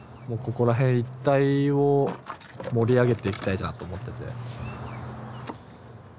もうここら辺一帯を盛り上げていきたいなと思ってて。